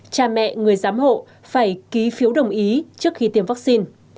cha mẹ người giám hộ phải ký phiếu đồng ý trước khi tiêm vaccine